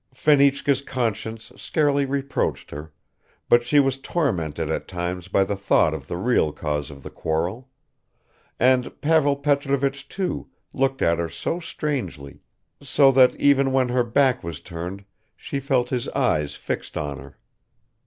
Fenichka's conscience scarcely reproached her, but she was tormented at times by the thought of the real cause of the quarrel; and Pavel Petrovich, too, looked at her so strangely ... so that even when her back was turned she felt his eyes fixed on her.